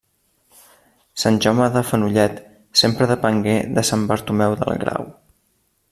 Sant Jaume de Fenollet sempre depengué de Sant Bartomeu del Grau.